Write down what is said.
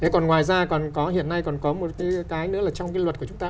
còn ngoài ra hiện nay còn có một cái nữa là trong luật của chúng ta